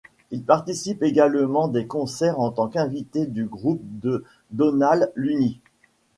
Il participe également des concerts en tant qu'invité du groupe de Dónal Lunny.